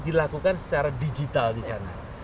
dan itu dilakukan secara digital di sana